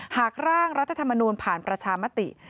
หากร่างรัฐธรรมนูลผ่านประชามติ